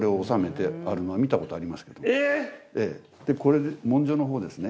これ文書の方ですね。